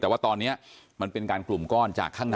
แต่ว่าตอนนี้มันเป็นการกลุ่มก้อนจากข้างใน